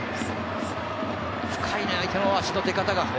深いな、相手の足の出方が。